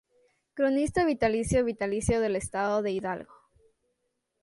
Cronista vitalicio vitalicio del Estado de Hidalgo.